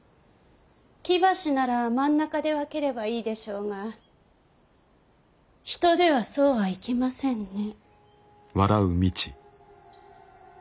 木橋なら真ん中で分ければいいでしょうが人ではそうはいきませんね。